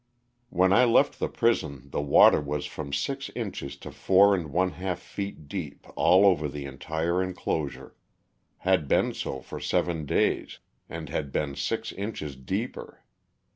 When I left the prison the water was from six inches to four and one half feet deep all over the entire enclosure, had been so for seven days, and had been six inches deeper.